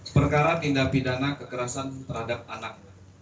perkara tindak pidana kekerasan terhadap anak